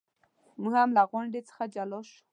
موږ هم له غونډې څخه جلا شو.